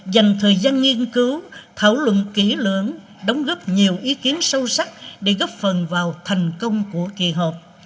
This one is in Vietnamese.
dành thời gian nghiên cứu thảo luận kỹ lưỡng đóng góp nhiều ý kiến sâu sắc để góp phần vào thành công của kỳ họp